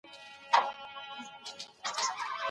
که ئې په کنايي کي طلاق هدف نه وو، طلاق نه واقع کيږي.